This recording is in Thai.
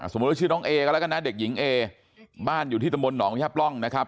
สมมุติว่าชื่อน้องเอแล้วก็นะเด็กหญิงเอบ้านอยู่ที่ตะมนตลิ่งหนองพระยับร่องนะครับ